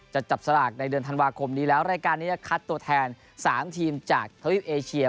จะจับสลากในเดือนธันวาคมนี้แล้วรายการนี้จะคัดตัวแทน๓ทีมจากทวิปเอเชีย